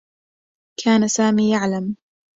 كان سامي يعلم.